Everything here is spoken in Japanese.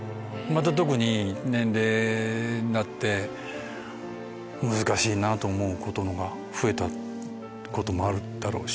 特に年齢になって難しいなと思うことのほうが増えたこともあるだろうし。